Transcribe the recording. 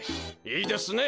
いいですね！